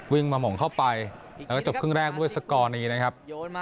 มาหม่งเข้าไปแล้วก็จบครึ่งแรกด้วยสกอร์นี้นะครับ